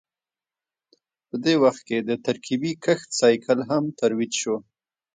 په دې وخت کې د ترکیبي کښت سایکل هم ترویج شو